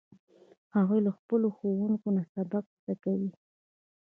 هغوی له خپلو ښوونکو نه سبق زده کوي